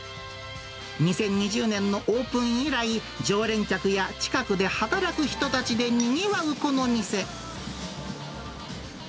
２０２０年のオープン以来、常連客や近くで働く人たちでにぎわうこの店。